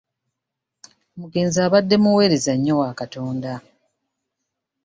Omugenzi abadde muweereza nnyo wa Katonda.